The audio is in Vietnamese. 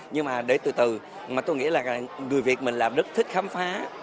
nhưng mà để từ từ mà tôi nghĩ là người việt mình làm rất thích khám phá